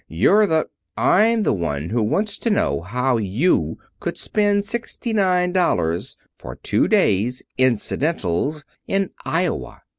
You're the " "I'm the one who wants to know how you could spend sixty nine dollars for two days' incidentals in Iowa.